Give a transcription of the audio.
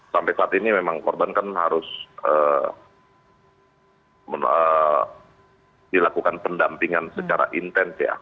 sampai saat ini memang korban kan harus dilakukan pendampingan secara intens ya